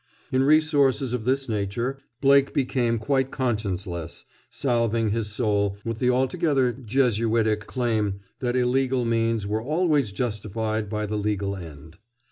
In resources of this nature Blake became quite conscienceless, salving his soul with the altogether jesuitic claim that illegal means were always justified by the legal end.